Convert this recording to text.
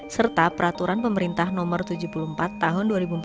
serta peraturan pemerintah no tujuh puluh empat tahun dua ribu empat belas